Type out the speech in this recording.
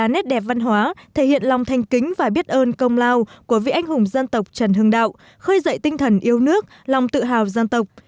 nét đẹp văn hóa thể hiện lòng thanh kính và biết ơn công lao của vị anh hùng dân tộc trần hưng đạo khơi dậy tinh thần yêu nước lòng tự hào dân tộc